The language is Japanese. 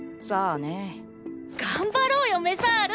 頑張ろうよメサール！